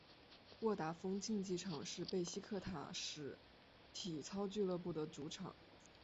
沃达丰竞技场是贝西克塔什体操俱乐部的主场。